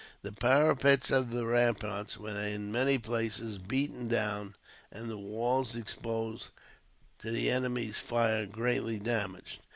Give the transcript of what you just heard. The parapets of the ramparts were in many places beaten down, and the walls exposed to the enemy's fire greatly damaged.